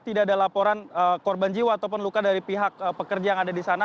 tidak ada laporan korban jiwa ataupun luka dari pihak pekerja yang ada di sana